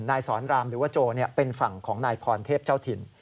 นายสอนรามหรือว่าโจเป็นฝั่งของนายพรเทพเจ้าถิ่น